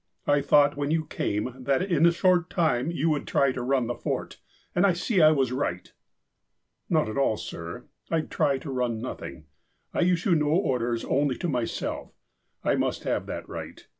I thought, when you came, that in a short time you would try to run the Fort, and I see I was right." "Not at all, sir. I try to run nothing. I issue no or ders, only to myself. I must have that right.